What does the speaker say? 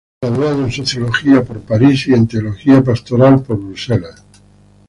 Graduado en Sociología en París y en Teología Pastoral en Bruselas.